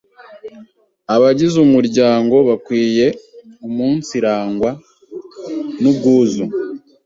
Abagize umuryango bakwiye umunsirangwa n’ubwuzu